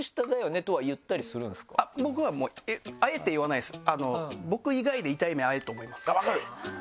僕はあえて言わないです。